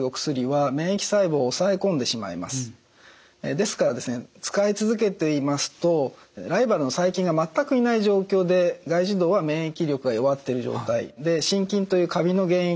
ですから使い続けていますとライバルの細菌が全くいない状況で外耳道は免疫力が弱っている状態で真菌というカビの原因